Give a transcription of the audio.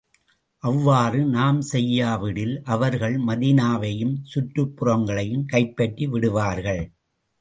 அவ்வாறு நாம் செய்யா விடில், அவர்கள் மதீனாவையும், சுற்றுப்புறங்களையும் கைப்பற்றி விடுவார்கள்.